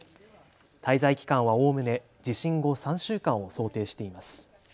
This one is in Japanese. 滞在期間はおおむね地震後３週間を想定しています。